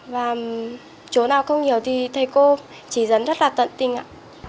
và chỗ nào không nhiều thì thầy cô chỉ dẫn rất là tận tình ạ